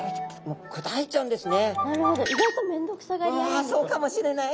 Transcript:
うわそうかもしれない。